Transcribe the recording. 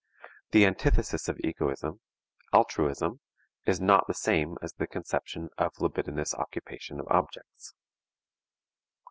The antithesis of egoism, altruism, is not the same as the conception of libidinous occupation of objects.